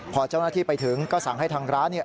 พอเจ้าหน้าที่ไปถึงก็สั่งให้ทางร้านเนี่ย